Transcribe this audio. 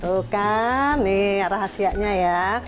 tuh kan nih rahasianya ya